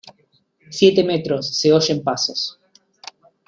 siete metros. se oyen pasos .